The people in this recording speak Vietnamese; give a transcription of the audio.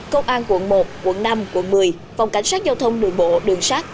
công an quận một quận năm quận một mươi phòng cảnh sát giao thông đường bộ đường sát